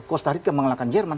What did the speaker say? costa rica mengalahkan jerman